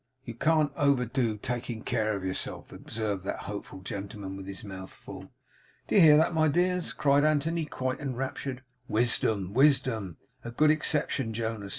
'You can't overdo taking care of yourself,' observed that hopeful gentleman with his mouth full. 'Do you hear that, my dears?' cried Anthony, quite enraptured. 'Wisdom, wisdom! A good exception, Jonas.